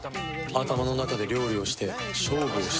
頭の中で料理をして勝負をしている。